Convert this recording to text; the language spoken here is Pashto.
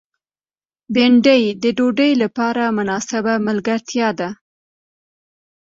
بېنډۍ د ډوډۍ لپاره مناسبه ملګرتیا ده